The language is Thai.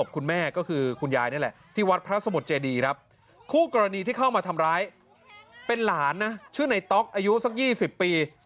คู่กรณีที่เข้ามาทำร้ายเป็นหลานนะชื่อในต๊อกอายุสักยี่สิบปี